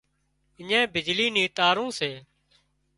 اڃين بجلي نِي تارُون سي